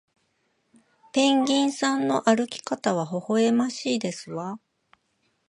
ペンギンさんの歩き方はほほえましいですわ